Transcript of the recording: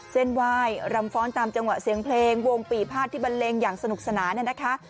เส้นไหว้รำฟ้อนตามจังหวะเสียงเพลงวงปีภาษที่บันเลงอย่างสนุกสนานเนี่ยนะคะ